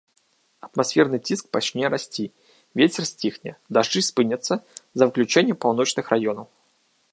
Атмасферны ціск пачне расці, вецер сціхне, дажджы спыняцца, за выключэннем паўночных раёнаў.